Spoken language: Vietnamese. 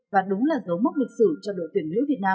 và đúng là dấu mốc lịch sử cho đội tuyển